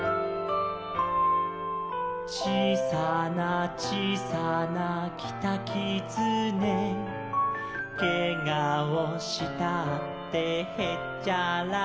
「ちいさなちいさなキタキツネ」「けがをしたってへっちゃらだ」